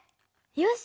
よし！